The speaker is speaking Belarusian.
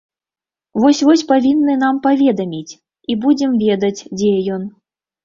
Вось-вось павінны нам паведаміць і будзем ведаць, дзе ён.